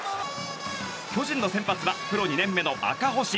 巨人の先発はプロ２年目の赤星。